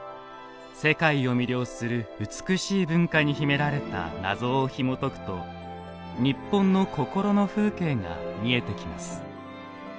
世界を魅了する美しい文化に秘められた謎をひもとくと日本の心の風景が見えてきます。